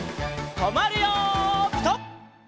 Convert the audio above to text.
とまるよピタ！